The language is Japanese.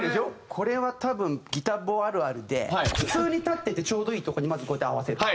これは多分ギタボあるあるで普通に立っててちょうどいい所にまずこうやって合わせる。